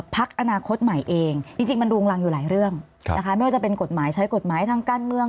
พักอนาคตใหม่เองจริงมันรุงรังอยู่หลายเรื่องนะคะไม่ว่าจะเป็นกฎหมายใช้กฎหมายทางการเมือง